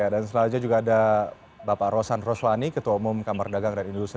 dan selanjutnya juga ada bapak rosan roslani ketua umum kamar dagang